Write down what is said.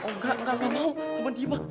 oh enggak enggak enggak mau